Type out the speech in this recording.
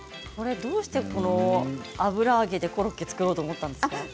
どうして油揚げでコロッケを作ろうと思ったんですか。